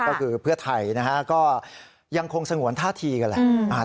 ก็คือเพื่อไทยนะฮะก็ยังคงสงวนท่าทีกันแหละ